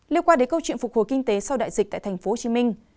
liên quan đến câu chuyện phục hồi kinh tế sau đại dịch tại thành phố hồ chí minh